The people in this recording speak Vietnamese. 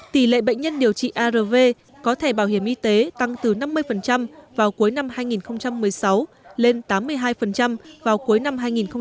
tỷ lệ bệnh nhân điều trị arv có thẻ bảo hiểm y tế tăng từ năm mươi vào cuối năm hai nghìn một mươi sáu lên tám mươi hai vào cuối năm hai nghìn một mươi tám